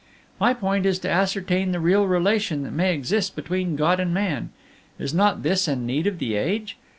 "My point is to ascertain the real relation that may exist between God and man. Is not this a need of the age?